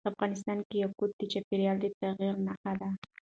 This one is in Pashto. افغانستان کې یاقوت د چاپېریال د تغیر نښه ده.